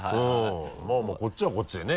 まぁまぁこっちはこっちでね。